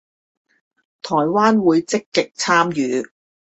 臺灣會積極參與